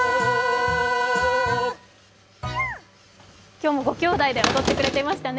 今日もごきょうだいで踊ってくれていましたね。